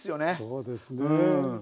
そうですね。